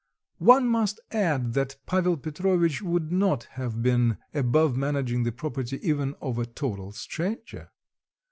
One must add that Pavel Petrovitch would not have been above managing the property even of a total stranger.